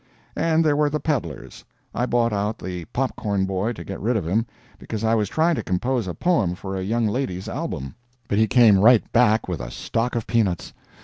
And there were the peddlers. I bought out the pop corn boy to get rid of him, because I was trying to compose a poem for a young lady's album. But he came right back with a stock of peanuts.